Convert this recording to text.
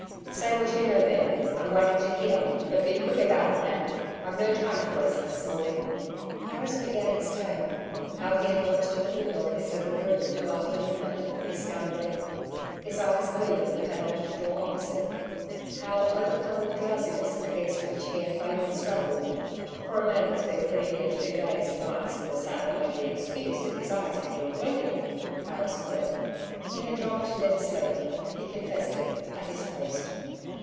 'Say what you know then I'm waiting to hear. But be quick about it, man, I've no time to waste this morning.' Harris began his tale how he had watched at the window of his little room, till after midnight, his gun ready, his eyes glued on the padlocked door opposite; how overcome with drowsiness against which he had vainly struggled 'for a man that's been pretty near two days and nights in the saddle may be excused if his eyes begin blinking,' Harris put it. He had dropped dead asleep he confessed it at his post.